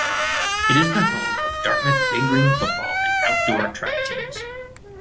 It is the home of Dartmouth Big Green football and outdoor track teams.